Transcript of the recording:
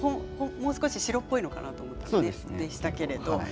もう少し白っぽいものかと思っていましたけど。